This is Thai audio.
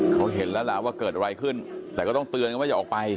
เขาเห็นแล้วล่ะว่าเกิดอะไรขึ้นแต่ก็ต้องเตือนกันว่าจะออกไป